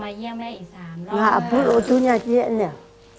มาเยี่ยมแม่อีก๓รอบ